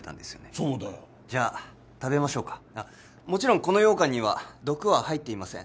そうだよじゃあ食べましょうかあっもちろんこの羊羹には毒は入っていません